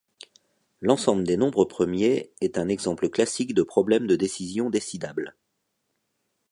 L'ensemble des nombres premiers est un exemple classique de problème de décision décidable.